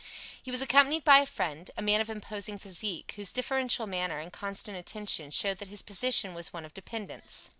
He was accompanied by a friend, a man of imposing physique, whose deferential manner and constant attention showed that his position was one of dependence.